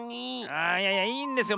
ああいやいやいいんですよ。